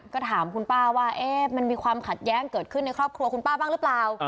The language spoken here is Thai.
ก็ถามคุณป้าว่ามันมีความขัดแย้งเกิดขึ้นในครอบครัวคุณป้าบ้างหรือเปล่า